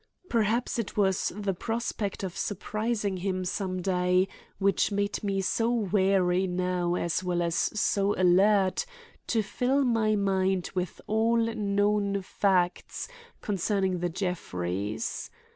Perhaps it was the prospect of surprising him some day which made me so wary now as well as so alert to fill my mind with all known facts concerning the Jeffreys.